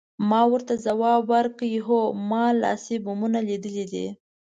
ما ورته ځواب ورکړ، هو، ما لاسي بمونه لیدلي دي.